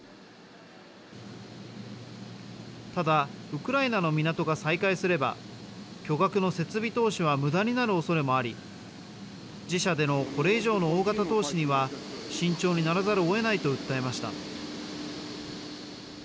ただウクライナの港が再開すれば巨額の設備投資はむだになるおそれもあり自社でのこれ以上の大型投資には慎重にならざるをえないと訴えました。